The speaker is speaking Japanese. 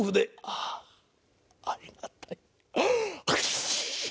ああありがたい。